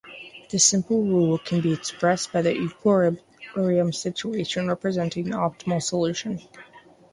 The simple rule can be expressed by the equilibrium situation representing the optimal solution.